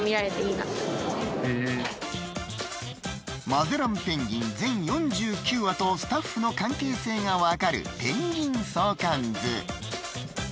マゼランペンギン全４９羽とスタッフの関係性が分かるペンギン相関図